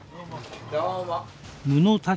どうも。